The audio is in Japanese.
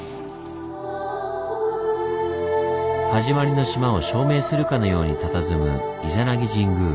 「はじまりの島」を証明するかのようにたたずむ伊弉諾神宮。